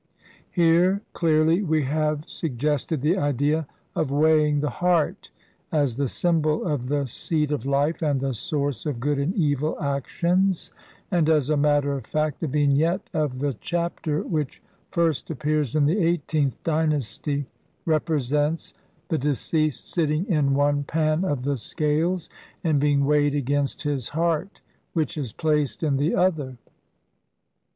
Here clearly we have sug gested the idea of weighing the heart, as the symbol of the seat of life and the source of good and evil actions, and as a matter of fact the Vignette of the Chapter, which first appears in the eighteenth dy nasty, represents the deceased sitting in one pan of the scales and being weighed against his heart which is placed in the other.